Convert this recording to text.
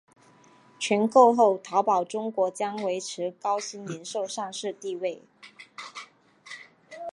全购后淘宝中国将维持高鑫零售上市地位。